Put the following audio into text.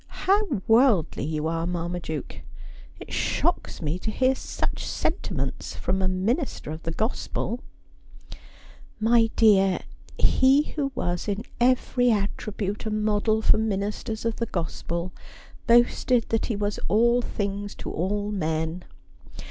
' How worldly you are, Marmaduke ! It shocks me to hear such sentiments from a minister of the gospel.' ' My dear, he who was in every attribute a model for minis ters of the gospel boasted that he was all things to all men.